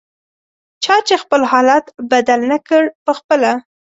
چا چې خپل حالت بدل نکړ پخپله